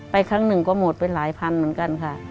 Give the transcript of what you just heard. ครั้งหนึ่งก็หมดไปหลายพันเหมือนกันค่ะ